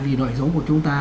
vì nổi dấu của chúng ta